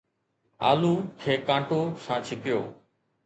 آلو کي ڪانٽو سان ڇڪيو